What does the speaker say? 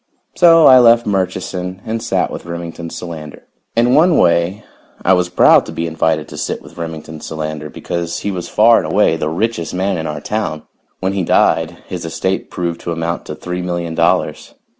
So I left Murchison and sat with Remington Solander. In one way I was proud to be invited to sit with Remington Solander, because he was far and away the richest man in our town. When he died, his estate proved to amount to three million dollars.